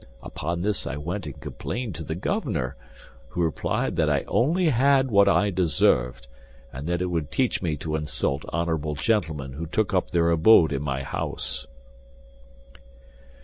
Upon this I went and complained to the governor, who replied that I only had what I deserved, and that it would teach me to insult honorable gentlemen who took up their abode in my house."